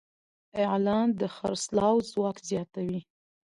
اعلان د خرڅلاو ځواک زیاتوي.